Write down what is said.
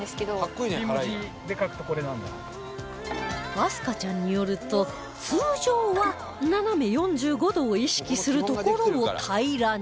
明日香ちゃんによると通常は斜め４５度を意識する所を平らに